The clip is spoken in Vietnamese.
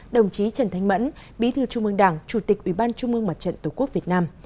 đồng chí trần thanh mẫn bí thư trung mương đảng chủ tịch ủy ban trung mương mặt trận tổ quốc việt nam